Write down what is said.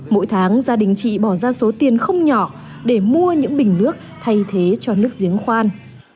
mỗi tháng gia đình chị bỏ ra số tiền không nhỏ để mua những bình nước thay thế cho nước giếng khoan